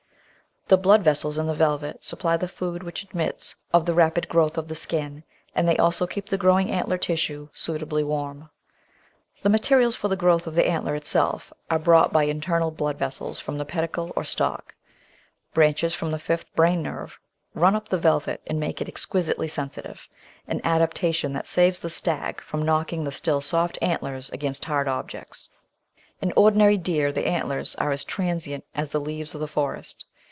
The blood vessels in the velvet supply the food which admits of the rapid growth of the skin, and they also keep the growing antler tissue suitably warm. The materials for the growth of the antler itself are brought by internal blood vessels from the pedicle or stalk. Branches from the fifth brain nerve run up the velvet and make it exquisitely sensitive — an adaptation that saves the stag from knocking the still soft antlers against hard objects. In ordinary deer the antlers are as transient as the leaves of the forest.